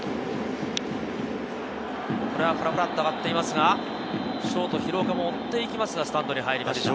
これはふらふらっと上がっていますが、ショート・廣岡も追っていきますがスタンドに入りました。